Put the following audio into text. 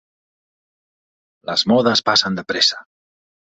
Les modes passen de pressa.